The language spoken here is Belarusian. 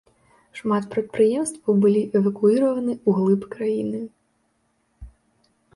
Шмат прадпрыемстваў былі эвакуіраваны ўглыб краіны.